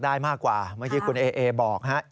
ไปพากันไปดูหน้าใกล้